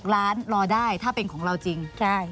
ล้านรอได้ถ้าเป็นของเราจริง